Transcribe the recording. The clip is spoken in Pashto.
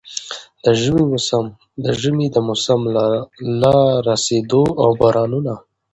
د ژمي د موسم له را رسېدو او د بارانونو